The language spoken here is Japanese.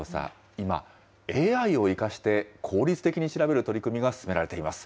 今、ＡＩを生かして効率的に調べる取り組みが進められています。